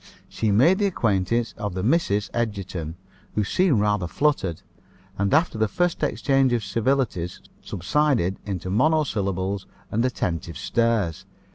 She made the acquaintance of the Misses Egerton, who seemed rather fluttered, and, after the first exchange of civilities, subsided into monosyllables and attentive stares.